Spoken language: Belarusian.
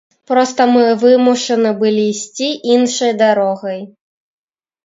Проста мы вымушаны былі ісці іншай дарогай.